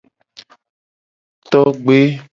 Togbe.